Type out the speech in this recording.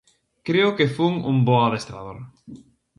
Creo que fun un bo adestrador.